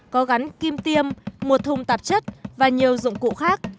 có gắn kim tiêm một thùng tạp chất và nhiều dụng cụ khác